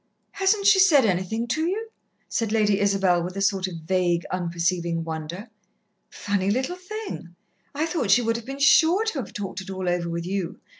"Hasn't she said anything to you?" said Lady Isabel, with a sort of vague, unperceiving wonder. "Funny little thing! I thought she would have been sure to have talked it all over with you.